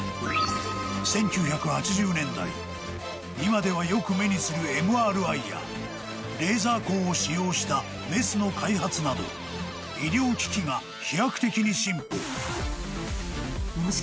［今ではよく目にするＭＲＩやレーザー光を使用したメスの開発など医療機器が飛躍的に進歩］